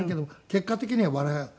結果的には笑う。